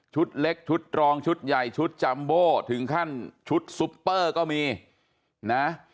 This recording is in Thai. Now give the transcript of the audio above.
เล็กชุดรองชุดใหญ่ชุดจัมโบถึงขั้นชุดซุปเปอร์ก็มีนะ